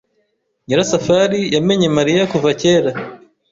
Nyirasafari yamenye Mariya kuva kera.